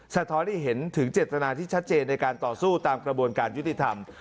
สะท้อนให้เห็นถึงเจตนาที่ชัดเจนในการต่อสู้ตามกระบวนการยุติธรรม